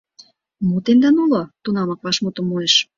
Мо тендан уло? — тунамак вашмутым муэш.